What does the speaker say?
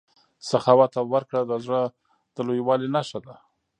سخاوت او ورکړه د زړه د لویوالي نښه ده.